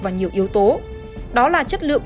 vào nhiều yếu tố đó là chất lượng